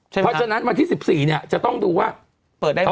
เพราะฉะนั้นวันที่๑๔เนี่ยจะต้องดูว่าเปิดได้ไหม